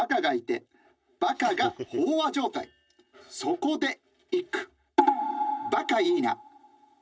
そこで一句。